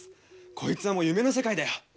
こいつはもう夢の世界だよ。